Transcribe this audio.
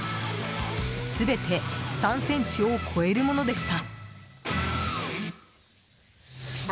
全て３ｃｍを超えるものでした。